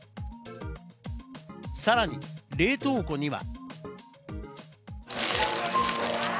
さらに冷凍庫には。